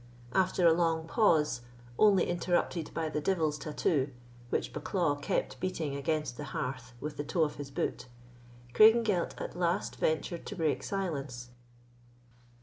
After a long pause, only interrupted by the devil's tattoo, which Bucklaw kept beating against the hearth with the toe of his boot, Craigengelt at last ventured to break silence.